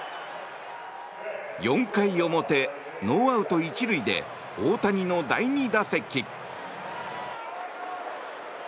４回表、ノーアウト１塁で大谷の第２打席。